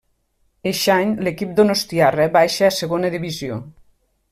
Eixe any l'equip donostiarra baixa a Segona Divisió.